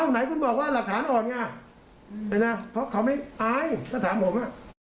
ไหนคุณบอกว่าหลักฐานอ่อนไงเพราะเขาไม่อายก็ถามผม